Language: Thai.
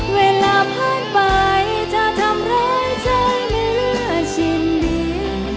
เวลาผ่านไปจะทำร้ายใจไม่เลือกชิ้นดี